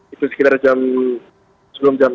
itu sekitar jam sebelum jam dua